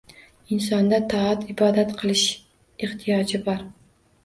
Insonda toat-ibodat qilish ehtiyoji bor.